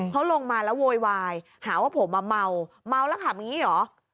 เขาลงมาแล้วโวยวายหาว่าผมเมาเมาแล้วขับอย่างนี้เหรอ